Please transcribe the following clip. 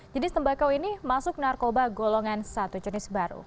jadi tembakau ini masuk narkoba golongan satu jenis baru